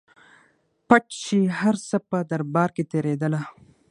پټ چي هر څه په دربار کي تېرېدله